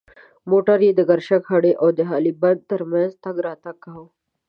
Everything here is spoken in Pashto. موټر یې د کرشک هډې او د هالې بند تر منځ تګ راتګ کاوه.